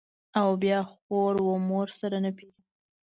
او بيا خور و مور سره نه پېژني.